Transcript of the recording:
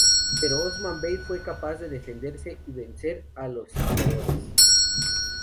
Pero Osman Bey fue capaz de defenderse y vencer a los sitiadores.